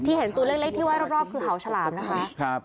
เห็นตัวเล็กที่ไว้รอบคือเขาฉลามนะคะ